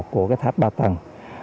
của tháp ba tầng